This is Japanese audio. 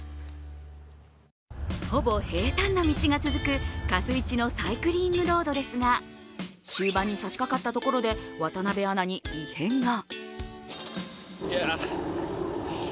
ほぼ平たんな道が続くかすいちのサイクリングロードですが終盤に差しかかったところで渡部アナに異変が。